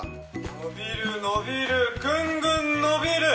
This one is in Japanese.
伸びる伸びるグングン伸びる！